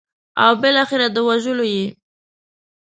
او بالاخره د وژلو یې.